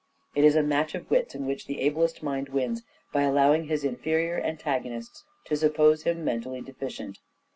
It is a match of wits in which the ablest mind wins by allowing his inferior antagonists to suppose him mentally deficient.